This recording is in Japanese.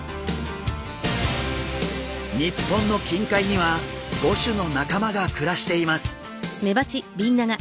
日本の近海には５種の仲間が暮らしています。